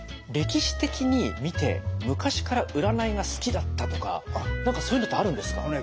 歴史的に見て昔から占いが好きだったとか何かそういうのってあるんですか？